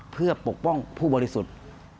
เพื่อปกป้องผู้บริสุทธิ์